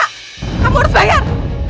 kamu harus bayar